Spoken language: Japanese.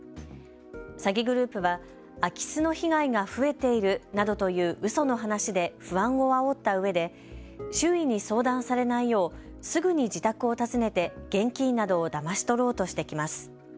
詐欺グループは空き巣の被害が増えているなどという、うその話で不安をあおったうえで周囲に相談されないようすぐに自宅を訪ねて現金などをだまし取ろうとしてきます。